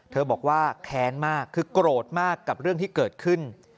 บอกว่าแค้นมากคือโกรธมากกับเรื่องที่เกิดขึ้น